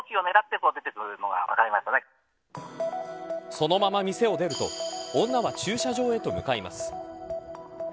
そのまま店を出ると女は駐車場へと向かいます。